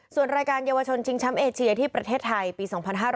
ส่วนรายการเยาวชนชิงแชมป์เอเชียที่ประเทศไทยปี๒๕๕๙